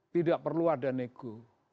tidak perlu ada nego